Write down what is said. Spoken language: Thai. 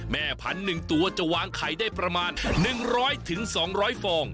แม่พันธุ์หนึ่งตัวจะวางไข่ได้ประมาณ๑๐๐๒๐๐ฟอง